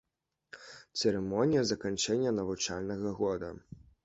Цырымонія заканчэння навучальнага года.